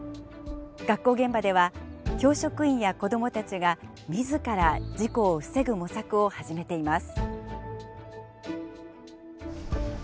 学校現場では教職員や子どもたちが自ら事故を防ぐ模索を始めています。